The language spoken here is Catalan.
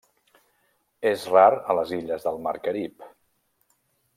És rar a les illes del Mar Carib.